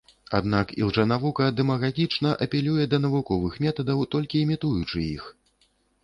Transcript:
Аднак ілжэнавука дэмагагічна апелюе да навуковых метадаў, толькі імітуючы іх.